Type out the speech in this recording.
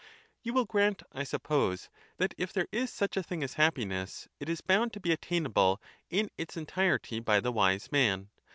You will grant, 1 suppose, that if there is such a thing as happiness, it is bound to be attainable in its entirety by the Wise Man.